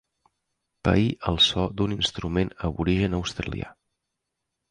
Paí el so d'un instrument aborigen australià.